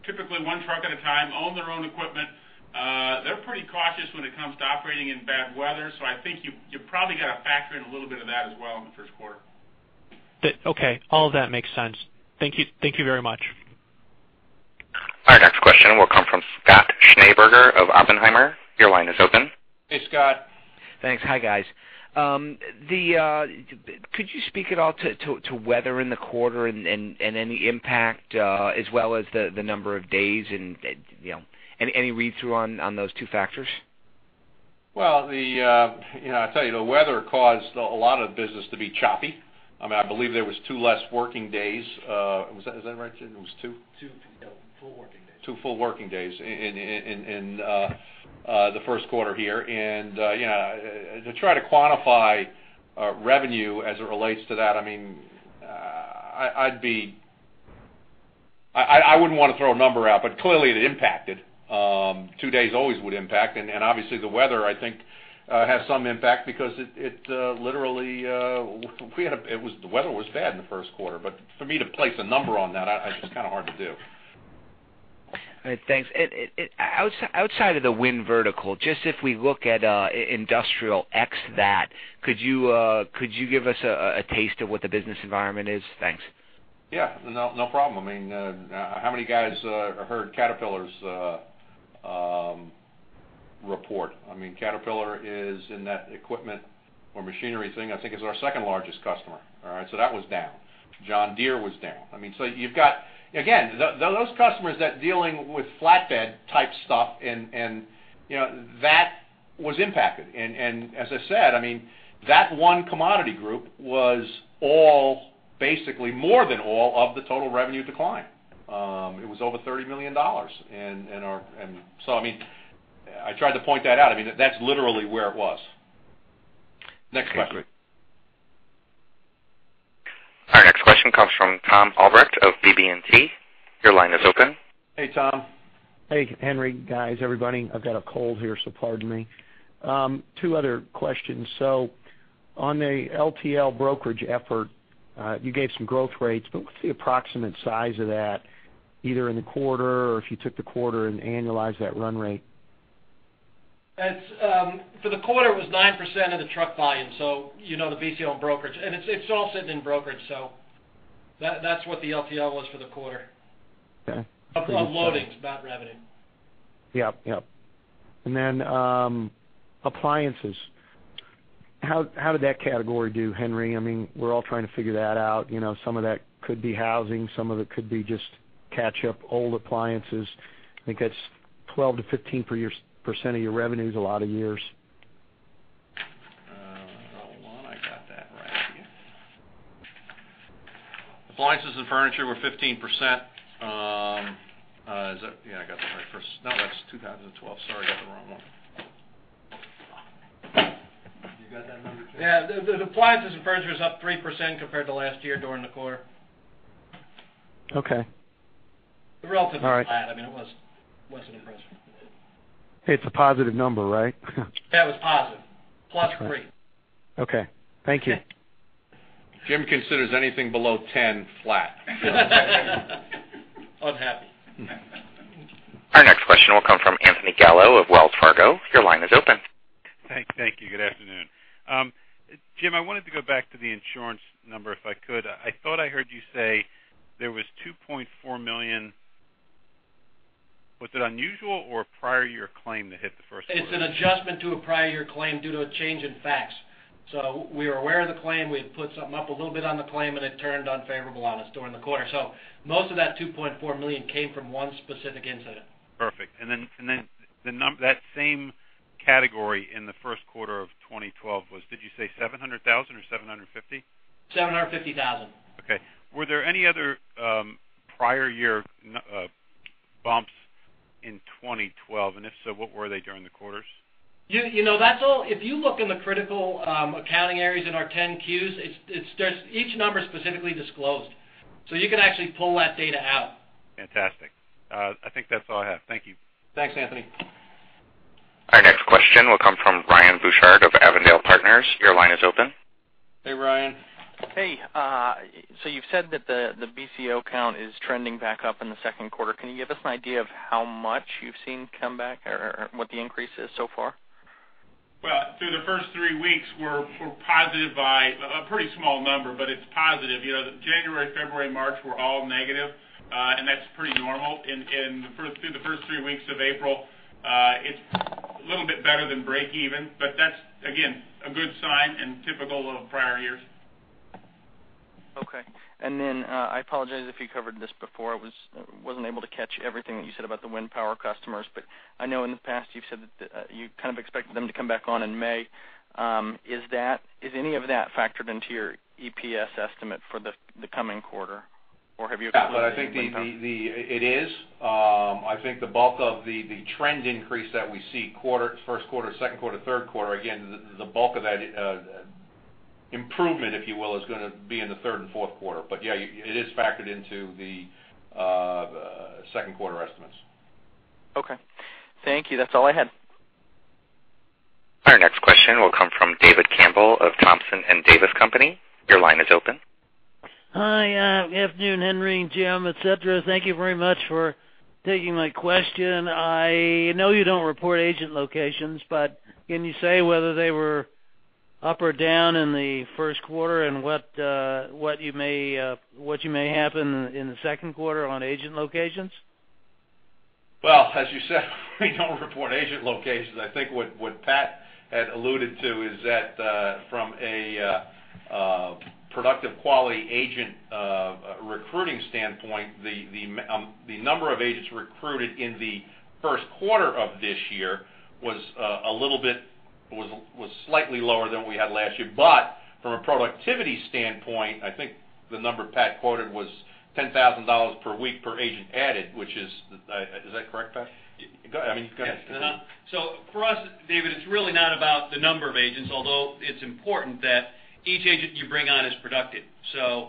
typically one truck at a time, own their own equipment. They're pretty cautious when it comes to operating in bad weather, so I think you probably got to factor in a little bit of that as well in the first quarter. Okay. All of that makes sense. Thank you, thank you very much. Our next question will come from Scott Schneeberger of Oppenheimer. Your line is open. Hey, Scott. Thanks. Hi, guys. Could you speak at all to weather in the quarter and any impact, as well as the number of days and, you know, any read-through on those two factors? Well, you know, I'll tell you, the weather caused a lot of business to be choppy. I mean, I believe there was two less working days. Was that, is that right, Jim? It was two? Two full working days. Two full working days in the first quarter here. And, you know, to try to quantify revenue as it relates to that, I mean, I'd be... I wouldn't want to throw a number out, but clearly, it impacted. Two days always would impact, and obviously, the weather, I think, has some impact because it literally we had a-- it was, the weather was bad in the first quarter, but for me to place a number on that, it's just kind of hard to do. All right, thanks. Outside of the wind vertical, just if we look at industrial ex that, could you give us a taste of what the business environment is? Thanks.... Yeah, no, no problem. I mean, how many guys heard Caterpillar's report? I mean, Caterpillar is in that equipment or machinery thing. I think it's our second largest customer. All right, so that was down. John Deere was down. I mean, so you've got, again, those customers that dealing with flatbed-type stuff, and, you know, that was impacted. And as I said, I mean, that one commodity group was all, basically more than all of the total revenue decline. It was over $30 million. And so, I mean, I tried to point that out. I mean, that's literally where it was. Next question. Our next question comes from Tom Albrecht of BB&T. Your line is open. Hey, Tom. Hey, Henry, guys, everybody. I've got a cold here, so pardon me. Two other questions. So on the LTL brokerage effort, you gave some growth rates, but what's the approximate size of that, either in the quarter or if you took the quarter and annualized that run rate? It's for the quarter. It was 9% of the truck volume, so you know, the BCO and brokerage, and it's all sitting in brokerage. So that's what the LTL was for the quarter. Okay. Of loadings, not revenue. Yep, yep. And then, appliances. How, how did that category do, Henry? I mean, we're all trying to figure that out. You know, some of that could be housing, some of it could be just catch-up, old appliances. I think that's 12-15% of your revenue, is a lot of years. Hold on. I got that right here. Appliances and furniture were 15%. Is that... Yeah, I got the right first. No, that's 2012. Sorry, I got the wrong one. Yeah, the appliances and furniture is up 3% compared to last year, during the quarter. Okay. Relatively flat. All right. I mean, it was, wasn't impressive. It's a positive number, right? That was positive, +3. Okay. Thank you. Jim considers anything below 10 flat. Our next question will come from Anthony Gallo of Wells Fargo. Your line is open. Thank you. Good afternoon. Jim, I wanted to go back to the insurance number, if I could. I thought I heard you say there was $2.4 million. Was it unusual or a prior year claim that hit the first quarter? It's an adjustment to a prior year claim due to a change in facts. So we are aware of the claim. We had put something up a little bit on the claim, but it turned unfavorable on us during the quarter. So most of that $2.4 million came from one specific incident. Perfect. That same category in the first quarter of 2012 was, did you say $700,000 or $750,000? $750,000. Okay. Were there any other, prior year, bumps in 2012? And if so, what were they during the quarters? You know, that's all—if you look in the critical accounting areas in our 10-Qs, it's just each number is specifically disclosed. So you can actually pull that data out. Fantastic. I think that's all I have. Thank you. Thanks, Anthony. Our next question will come from Ryan Bouchard of Avondale Partners. Your line is open. Hey, Ryan. Hey, so you've said that the BCO count is trending back up in the second quarter. Can you give us an idea of how much you've seen come back or what the increase is so far? Well, through the first three weeks, we're positive by a pretty small number, but it's positive. You know, January, February, March were all negative, and that's pretty normal. Through the first three weeks of April, it's a little bit better than breakeven, but that's, again, a good sign and typical of prior years. Okay. And then, I apologize if you covered this before. I wasn't able to catch everything that you said about the wind power customers, but I know in the past you've said that you kind of expected them to come back on in May. Is any of that factored into your EPS estimate for the coming quarter, or have you- Yeah, but I think it is. I think the bulk of the trend increase that we see first quarter, second quarter, third quarter, again, the bulk of that improvement, if you will, is gonna be in the third and fourth quarter. But yeah, it is factored into the second quarter estimates. Okay. Thank you. That's all I had. Our next question will come from David Campbell of Thompson Davis & Co. Your line is open. Hi, good afternoon, Henry, Jim, et cetera. Thank you very much for taking my question. I know you don't report agent locations, but can you say whether they were up or down in the first quarter and what may happen in the second quarter on agent locations? Well, as you said, we don't report agent locations. I think what Pat had alluded to is that, from a productive quality agent recruiting standpoint, the number of agents recruited in the first quarter of this year was a little bit, was slightly lower than we had last year. But from a productivity standpoint, I think the number Pat quoted was $10,000 per week per agent added, which is... Is that correct, Pat? Go ahead. I mean, go ahead. So for us, David, it's really not about the number of agents, although it's important that each agent you bring on is productive. So,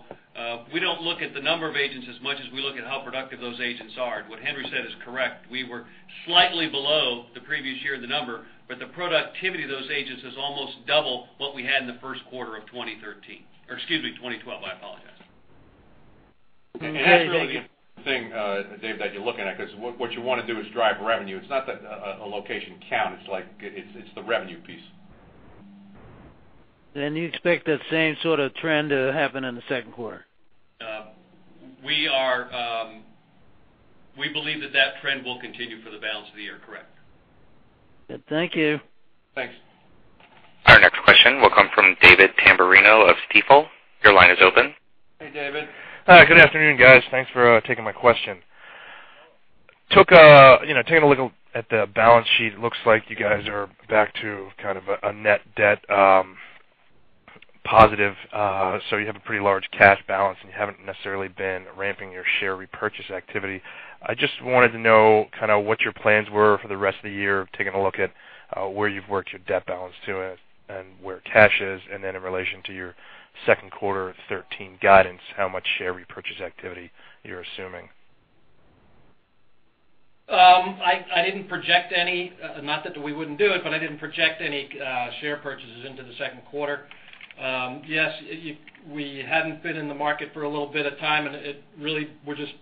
we don't look at the number of agents as much as we look at how productive those agents are. And what Henry said is correct, we were slightly below the previous year in the number, but the productivity of those agents is almost double what we had in the first quarter of 2013 or excuse me, 2012. I apologize. And that's really the thing, David, that you're looking at, 'cause what you want to do is drive revenue. It's not that a location count, it's like, it's the revenue piece.... Then you expect that same sort of trend to happen in the second quarter? We are, we believe that that trend will continue for the balance of the year, correct. Good. Thank you. Thanks. Our next question will come from David Tamberrino of Stifel. Your line is open. Hey, David. Hi, good afternoon, guys. Thanks for taking my question. You know, taking a look at the balance sheet, it looks like you guys are back to kind of a net debt positive. So you have a pretty large cash balance, and you haven't necessarily been ramping your share repurchase activity. I just wanted to know kind of what your plans were for the rest of the year, taking a look at where you've worked your debt balance to and where cash is, and then in relation to your second quarter of 2013 guidance, how much share repurchase activity you're assuming? I didn't project any, not that we wouldn't do it, but I didn't project any share purchases into the second quarter. Yes, you—we hadn't been in the market for a little bit of time, and it really we're just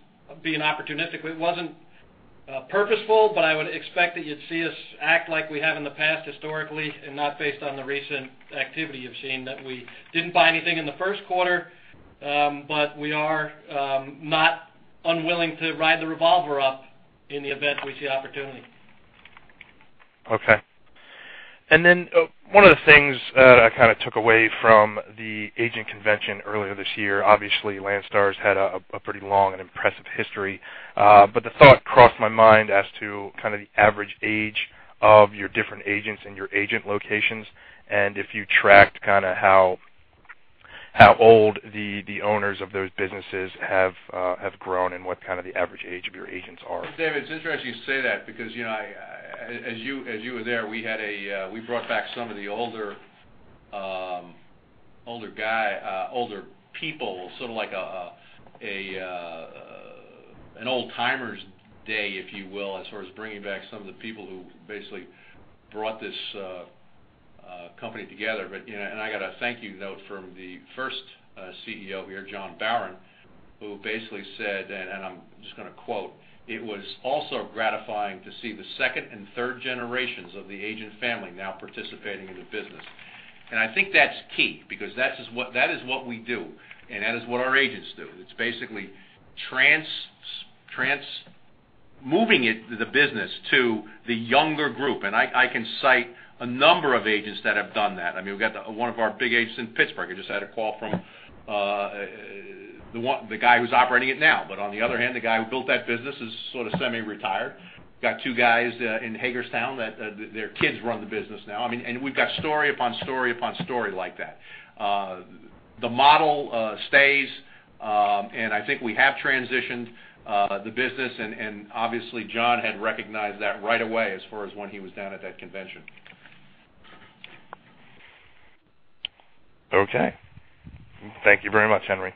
being opportunistic. It wasn't purposeful, but I would expect that you'd see us act like we have in the past historically, and not based on the recent activity you've seen, that we didn't buy anything in the first quarter. But we are not unwilling to ride the revolver up in the event we see opportunity. Okay. And then, one of the things, I kind of took away from the agent convention earlier this year, obviously, Landstar's had a pretty long and impressive history. But the thought crossed my mind as to kind of the average age of your different agents and your agent locations, and if you tracked kind of how old the owners of those businesses have grown, and what kind of the average age of your agents are? David, it's interesting you say that because, you know, I, as you were there, we had a, we brought back some of the older, older guy, older people, sort of like a, a, an old-timers day, if you will, as far as bringing back some of the people who basically brought this, company together. You know, I got a thank you note from the first CEO here, John Bowen, who basically said, and I'm just gonna quote: "It was also gratifying to see the second and third generations of the agent family now participating in the business." I think that's key, because that is what, that is what we do, and that is what our agents do. It's basically moving it, the business to the younger group. I can cite a number of agents that have done that. I mean, we've got one of our big agents in Pittsburgh. I just had a call from the one, the guy who's operating it now. But on the other hand, the guy who built that business is sort of semi-retired. Got two guys in Hagerstown that their kids run the business now. I mean, and we've got story upon story upon story like that. The model stays, and I think we have transitioned the business and, and obviously, John had recognized that right away as far as when he was down at that convention. Okay. Thank you very much, Henry.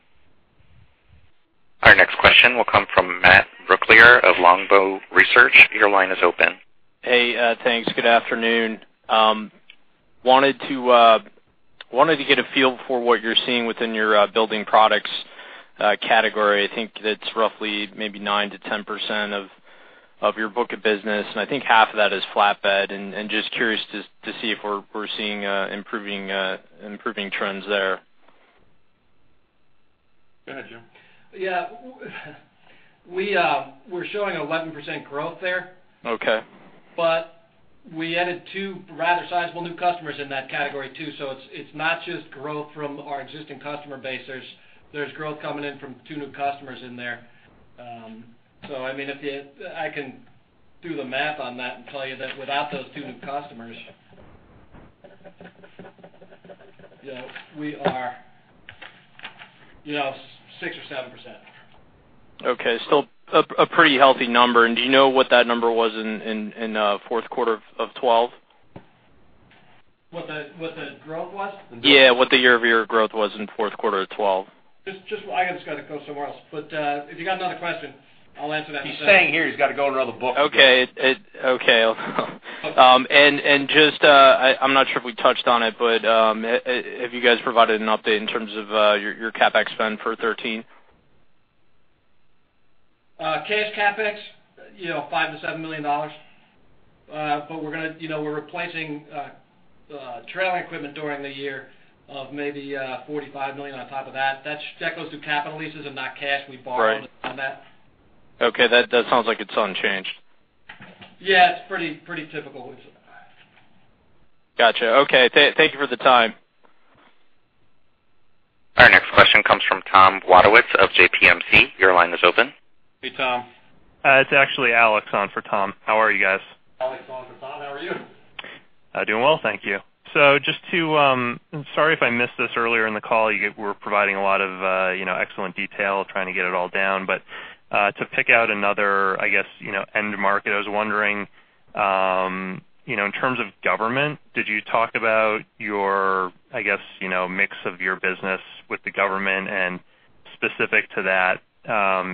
Our next question will come from Matt Brooklier of Longbow Research. Your line is open. Hey, thanks. Good afternoon. Wanted to get a feel for what you're seeing within your building products category. I think that's roughly maybe 9%-10% of your book of business, and I think half of that is flatbed. And just curious to see if we're seeing improving trends there. Go ahead, Jim. Yeah, we're showing 11% growth there. Okay. But we added two rather sizable new customers in that category, too. So it's not just growth from our existing customer base. There's growth coming in from two new customers in there. So I mean, if you... I can do the math on that and tell you that without those two new customers, you know, we are, you know, 6% or 7%. Okay, still a pretty healthy number. And do you know what that number was in fourth quarter of 2012? What the growth was? Yeah, what the year-over-year growth was in fourth quarter of 2012? I just got to go somewhere else, but if you got another question, I'll answer that. He's saying here, he's got to go to another book. Okay. I'm not sure if we touched on it, but have you guys provided an update in terms of your CapEx spend for 2013? Cash CapEx, you know, $5 million-$7 million. But we're gonna, you know, we're replacing trailer equipment during the year, of maybe $45 million on top of that. That goes through capital leases and not cash we borrow on that. Okay, that sounds like it's unchanged. Yeah, it's pretty, pretty typical. Gotcha. Okay, thank you for the time. Our next question comes from Tom Wadowitz of JPMC. Your line is open. Hey, Tom. It's actually Alex on for Tom. How are you guys? Doing well, thank you. So just to... Sorry, if I missed this earlier in the call, you were providing a lot of, you know, excellent detail, trying to get it all down. But, to pick out another, I guess, you know, end market, I was wondering, you know, in terms of government, did you talk about your, I guess, you know, mix of your business with the government? And specific to that,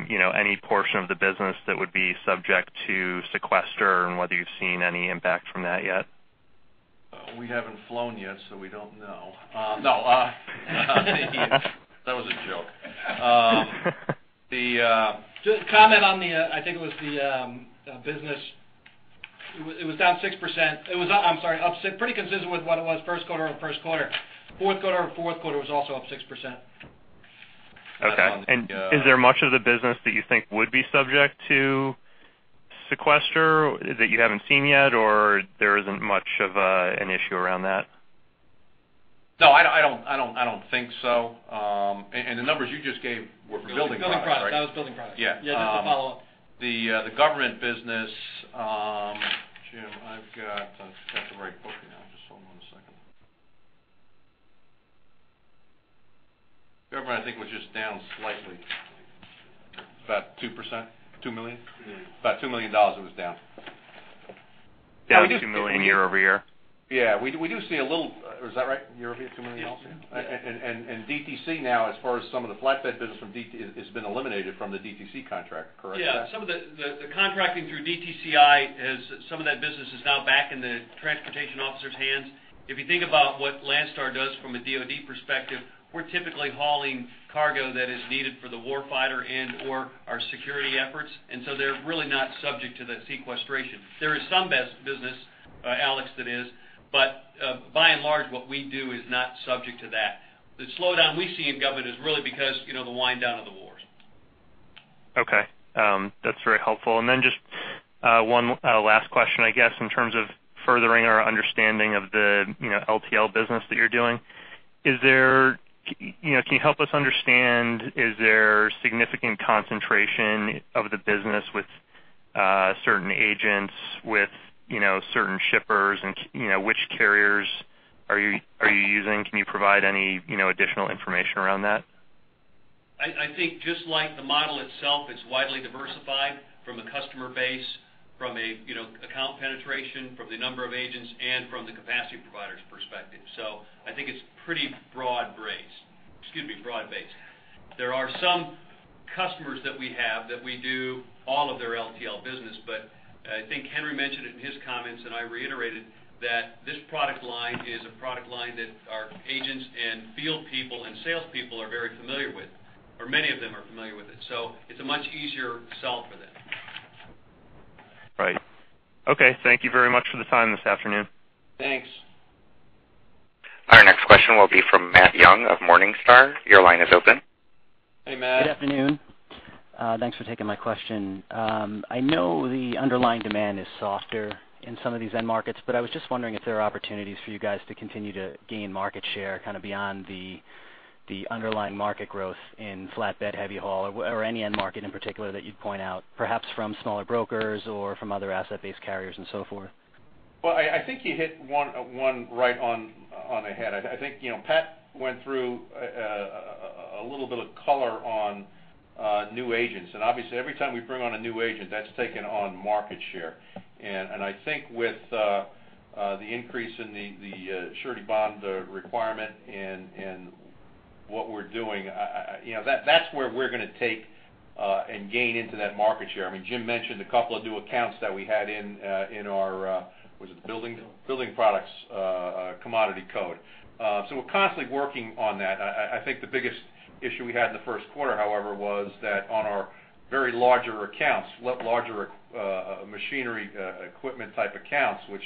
you know, any portion of the business that would be subject to sequester and whether you've seen any impact from that yet? We haven't flown yet, so we don't know. No that wasa joke.... Just comment on the, I think it was the business. It was down 6%. It was up, I'm sorry, up - pretty consistent with what it was first quarter over first quarter. Fourth quarter over fourth quarter was also up 6%. Okay. And is there much of the business that you think would be subject to sequester that you haven't seen yet, or there isn't much of an issue around that? No, I don't think so. The numbers you just gave were building products, right? Building products. That was building products. Yeah. Yeah, just to follow up. The government business, Jim, I've got the right book now. Just hold on one second. Government, I think, was just down slightly, about 2%, $2 million? About $2 million, it was down. Down $2 million year-over-year? Yeah, we do see a little... Is that right, year-over-year, $2 million? And DTC now, as far as some of the flatbed business from DT has been eliminated from the DTC contract, correct? Yeah. Some of the contracting through DTCI is some of that business is now back in the transportation officer's hands. If you think about what Landstar does from a DOD perspective, we're typically hauling cargo that is needed for the war fighter and/or our security efforts, and so they're really not subject to the sequestration. There is some business, Alex, that is, but by and large, what we do is not subject to that. The slowdown we see in government is really because, you know, the wind down of the wars. Okay, that's very helpful. Then just one last question, I guess, in terms of furthering our understanding of the, you know, LTL business that you're doing. Is there, you know, can you help us understand, is there significant concentration of the business with certain agents, with, you know, certain shippers, and, you know, which carriers are you using? Can you provide any, you know, additional information around that? I, I think just like the model itself, it's widely diversified from a customer base, from a, you know, account penetration, from the number of agents, and from the capacity provider's perspective. So I think it's pretty broad-braced. Excuse me, broad-based. There are some customers that we have that we do all of their LTL business, but I think Henry mentioned it in his comments, and I reiterated, that this product line is a product line that our agents and field people and salespeople are very familiar with, or many of them are familiar with it. So it's a much easier sell for them. Right. Okay, thank you very much for the time this afternoon. Thanks. Our next question will be from Matt Young of Morningstar. Your line is open. Hey, Matt. Good afternoon. Thanks for taking my question. I know the underlying demand is softer in some of these end markets, but I was just wondering if there are opportunities for you guys to continue to gain market share, kind of beyond the, the underlying market growth in flatbed, heavy haul, or any end market in particular, that you'd point out, perhaps from smaller brokers or from other asset-based carriers and so forth. Well, I think you hit one right on the head. I think, you know, Pat went through a little bit of color on new agents, and obviously, every time we bring on a new agent, that's taking on market share. And I think with the increase in the surety bond requirement and what we're doing, you know, that's where we're gonna take and gain into that market share. I mean, Jim mentioned a couple of new accounts that we had in our, was it building? Building products, commodity code. So we're constantly working on that. I think the biggest issue we had in the first quarter, however, was that on our very larger accounts, lot larger, machinery, equipment type accounts, which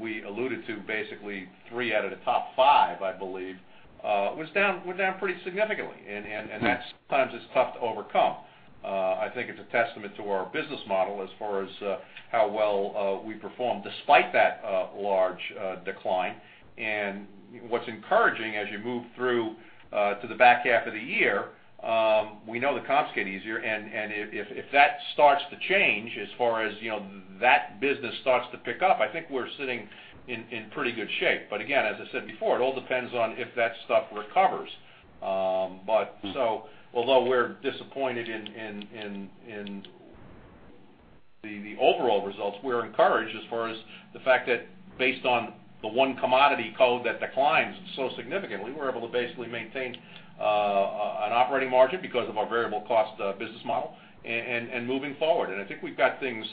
we alluded to basically three out of the top five, I believe, was down, were down pretty significantly. And that sometimes it's tough to overcome. I think it's a testament to our business model as far as, how well, we perform despite that, large, decline. And what's encouraging as you move through, to the back half of the year, we know the comps get easier, and if that starts to change as far as, you know, that business starts to pick up, I think we're sitting in pretty good shape. But again, as I said before, it all depends on if that stuff recovers. But So although we're disappointed in the overall results, we're encouraged as far as the fact that based on the one commodity code that declined so significantly, we were able to basically maintain an operating margin because of our variable cost business model, and moving forward. And I think we've got things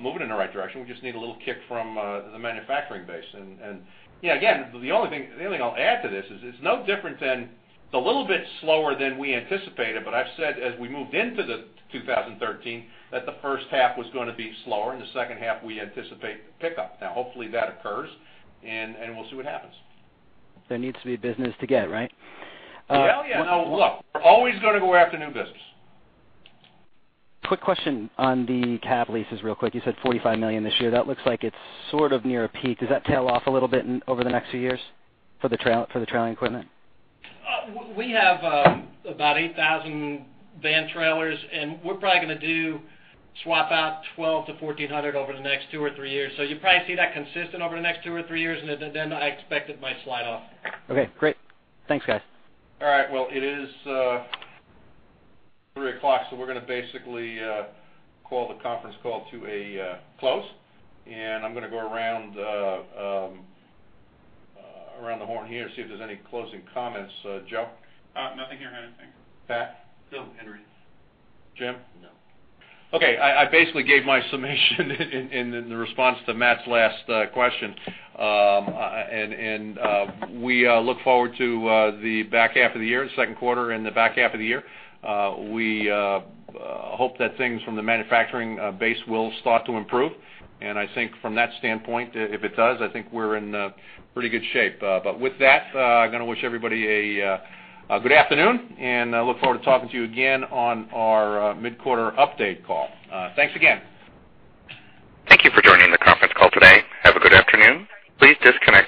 moving in the right direction. We just need a little kick from the manufacturing base. And, you know, again, the only thing I'll add to this is it's no different than it's a little bit slower than we anticipated, but I've said as we moved into 2013, that the first half was going to be slower, and the second half, we anticipate pickup. Now, hopefully, that occurs, and we'll see what happens. There needs to be business to get, right? Yeah, yeah. Now, look, we're always going to go after new business. Quick question on the cap leases real quick. You said $45 million this year. That looks like it's sort of near a peak. Does that tail off a little bit in, over the next few years for the trailer, for the trailing equipment? We have about 8,000 van trailers, and we're probably gonna do swap out 1,200-1,400 over the next two or three years. So you'll probably see that consistent over the next two or three years, and then I expect it might slide off. Okay, great. Thanks, guys. All right, well, it is 3:00 P.M., so we're gonna basically call the conference call to a close, and I'm gonna go around the horn here and see if there's any closing comments. Joe? Nothing here, Henry, thank you. Pat? No, Henry. Jim? No. Okay, I basically gave my summation in the response to Matt's last question. We look forward to the back half of the year, the second quarter and the back half of the year. We hope that things from the manufacturing base will start to improve. And I think from that standpoint, if it does, I think we're in pretty good shape. But with that, I'm gonna wish everybody a good afternoon, and look forward to talking to you again on our mid-quarter update call. Thanks again. Thank you for joining the conference call today. Have a good afternoon. Please disconnect your-